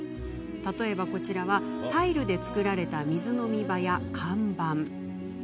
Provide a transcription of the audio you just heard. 例えばこちらはタイルで作られた水飲み場や看板。